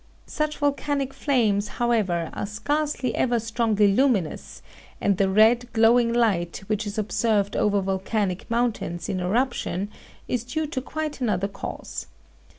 Such volcanic flames, however, are scarcely ever strongly luminous, and the red, glowing light which is observed over volcanic mountains in eruption is due to quite another cause.